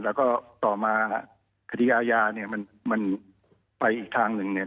แล้วก็ต่อมาคดีอาญาเนี่ยมันไปอีกทางหนึ่งเนี่ย